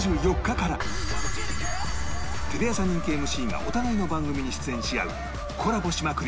テレ朝人気 ＭＣ がお互いの番組に出演し合うコラボしまくり！